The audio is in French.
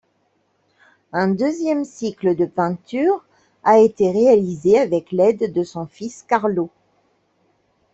Un deuxième cycle de peintures a été réalisé avec l'aide de son fils Carlo.